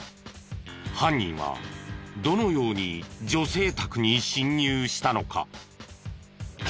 犯人はどのように女性宅に侵入したのか？